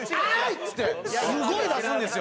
っつってすごい出すんですよ。